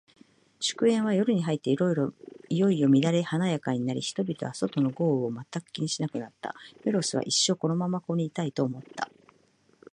祝宴は、夜に入っていよいよ乱れ華やかになり、人々は、外の豪雨を全く気にしなくなった。メロスは、一生このままここにいたい、と思った。